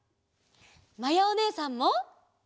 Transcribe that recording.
まやおねえさんも！